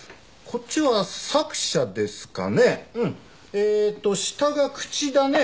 えーっと下が口だね。